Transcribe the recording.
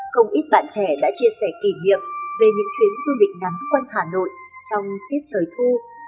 không ít bạn trẻ đã chia sẻ kỷ niệm về những chuyến du lịch ngắn quanh hà nội trong tiết trời thu